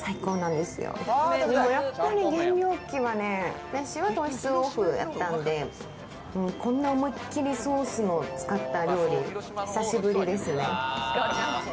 でも、やっぱり減量期は私は糖質オフやってたんで、こんな思いっきりソースを使った料理、久しぶりですね。